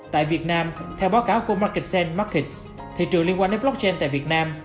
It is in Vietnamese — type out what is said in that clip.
tại việt nam theo báo cáo của marketsend markets thị trường liên quan đến blockchain tại việt nam